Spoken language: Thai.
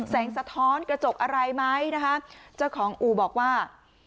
สะท้อนกระจกอะไรไหมนะคะเจ้าของอู่บอกว่า